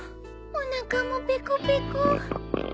おなかもペコペコ。